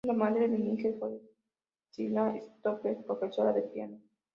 La madre de Nigel fue Escila Stoner, profesora de piano.